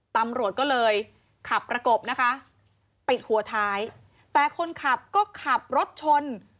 ตำรวจก็เลยขับประกบนะคะปิดหัวท้ายแต่คนขับก็ขับรถชน